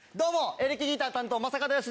エレキギター担当正門良規です。